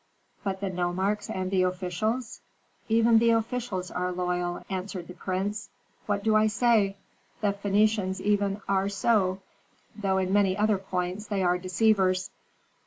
"But the nomarchs and the officials?" "Even the officials are loyal," answered the prince. "What do I say? The Phœnicians even are so, though in many other points they are deceivers."